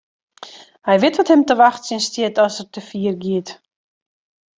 Hy wit wat him te wachtsjen stiet as er te fier giet.